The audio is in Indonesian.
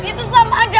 itu sama aja